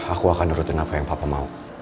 aku akan nurutin apa yang papa mau